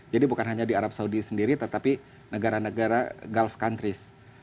jadi bukan hanya di arab saudi sendiri tetapi negara negara gulf countries